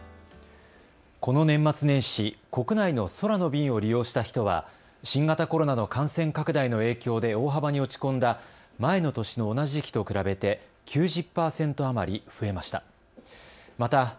この年末年始、国内の空の便を利用した人は新型コロナの感染拡大の影響で大幅に落ち込んだ前の年の同じ時期と比べて９０％余り増えました。